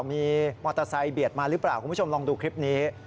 มีมอเตอร์ไซค์เบียดมาหรือเปล่าคุณผู้ชมลองดูคลิปนี้